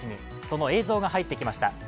その映像が入ってきました。